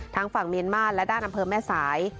ฝั่งเมียนมาร์และด้านอำเภอแม่สาย